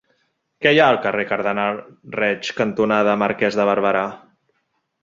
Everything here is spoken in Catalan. Què hi ha al carrer Cardenal Reig cantonada Marquès de Barberà?